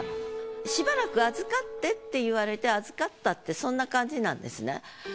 しばらく預かってって言われて預かったそんな感じなんですね。